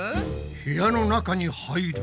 部屋の中に入ると。